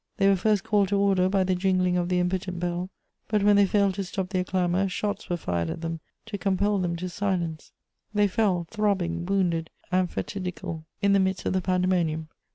They were first called to order by the jingling of the impotent bell; but when they failed to stop their clamour, shots were fired at them to compel them to silence: they fell, throbbing, wounded and fatidical, in the midst of the pandemonium.